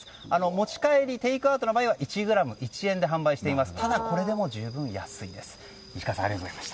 持ち帰りテイクアウトの場合は１ｇ１円で販売しています。